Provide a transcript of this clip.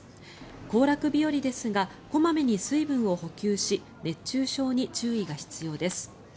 行楽日和ですが小まめに水分を補給し熱中症に注意が必要です。